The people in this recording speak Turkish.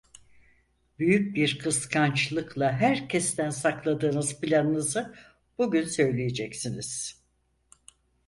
Büyük bir kıskançlıkla herkesten sakladığınız planınızı bugün söyleyeceksiniz.